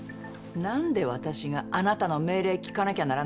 何で私があなたの命令聞かなきゃならないの。